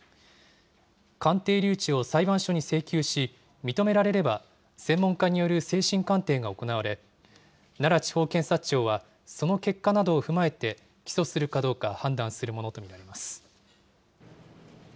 鑑定留置を裁判所に請求し、認められれば、専門家による精神鑑定が行われ、奈良地方検察庁は、その結果などを踏まえて、起訴するかどうか判断するものと見られます。